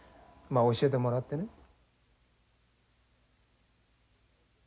まあ教えてもらってね。